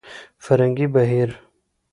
فرهنګي بهير